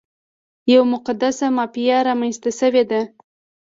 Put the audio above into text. یوه مقدسه مافیا رامنځته شوې ده.